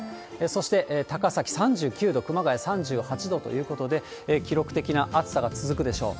そして、高崎３９度、熊谷３８度ということで、記録的な暑さが続くでしょう。